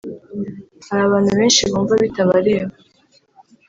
Hari abantu benshi bumva bitabareba